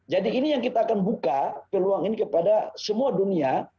jadi ini yang kita akan buka peluang ini kepada semua dunia